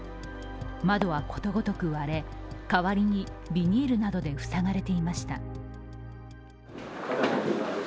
窓はことごとく割れ、代わりにビニールなどで塞がれていました。